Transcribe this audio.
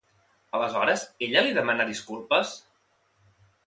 Aleshores, ella li demanà disculpes?